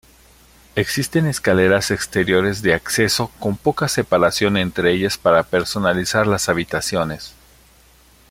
Existen escaleras exteriores de acceso con poca separación entre ellas para personalizar las habitaciones.